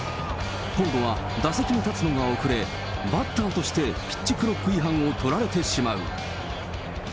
今度は打席に立つのが遅れ、バッターとしてピッチクロック違反をとられてしまう。